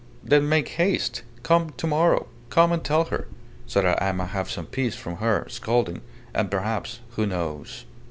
"Then make haste. Come to morrow. Come and tell her, so that I may have some peace from her scolding and perhaps who knows